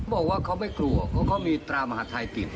บอกว่าเขาไม่กลัวเพราะเขามีตรามหาทัยติด